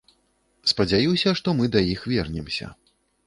Спадзяюся, што мы да іх вернемся.